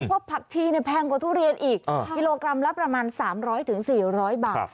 พวกผักทีเนี่ยแพงกว่าทุเรียนอีกอีโลกรัมละประมาณสามร้อยถึงสี่ร้อยบาท